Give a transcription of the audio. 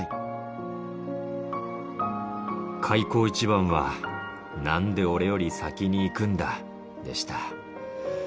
開口一番は、なんで俺より先に逝くんだでした。